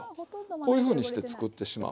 こういうふうにして作ってしまう。